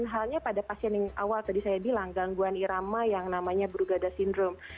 halnya pada pasien yang awal tadi saya bilang gangguan irama yang namanya brugada syndrome